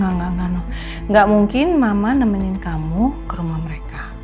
gak gak gak no gak mungkin mama nemenin kamu ke rumah mereka